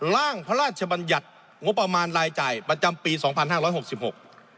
ร่างพระราชบัญญัติงบประมาณรายจ่ายประจำปีสองพันห้าร้อยหกสิบหก